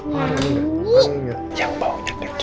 ya bau juga juga